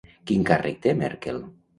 Quin càrrec té Merkel?